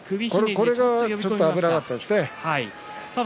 そこがちょっと危なかったですね。